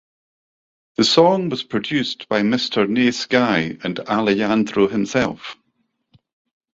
The song was produced by Mister Nais Gai and Alejandro himself.